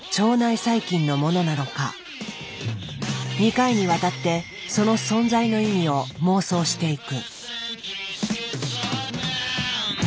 ２回にわたってその存在の意味を妄想していく。